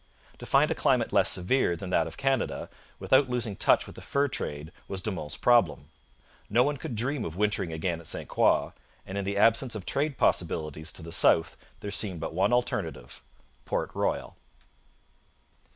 To find a climate less severe than that of Canada, without losing touch with the fur trade, was De Monts' problem. No one could dream of wintering again at St Croix, and in the absence of trade possibilities to the south there seemed but one alternative Port Royal.